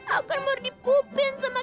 aku mau dipupin sama